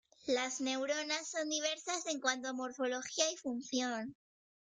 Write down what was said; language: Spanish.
Las neuronas son diversas en cuanto a morfología y función.